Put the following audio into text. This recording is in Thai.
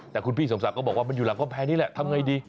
แต่คุณพี่สมศักดิ์ก็บอกว่ามันอยู่หลังกำแพงนี่แหละทำไงดี